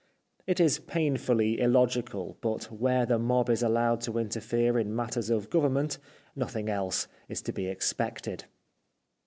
It is painfully illogical, but where the mob is allowed to interfere in matters of government nothing else is to be expected.